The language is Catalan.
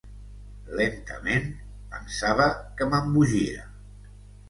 Lentament, pensava que m'embogia.